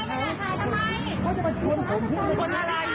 ไม่ใช่พี่พี่ถ่ายอะไรคะ